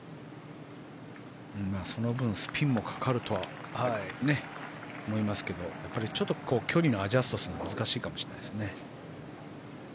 その分スピンもかかるとは思いますがちょっと距離のアジャストが難しいかもしれないですね。